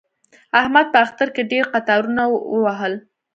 احمد په اختر کې ډېر قطارونه ووهل.